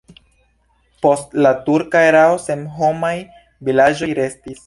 Post la turka erao senhomaj vilaĝoj restis.